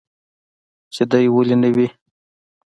چې دى ولي نه وي.